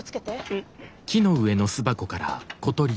うん。